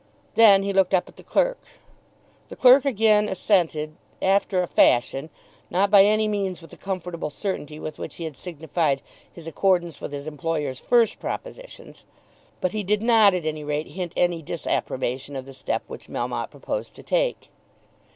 Then he looked up at the clerk. The clerk again assented, after a fashion, not by any means with the comfortable certainty with which he had signified his accordance with his employer's first propositions. But he did not, at any rate, hint any disapprobation of the step which Melmotte proposed to take.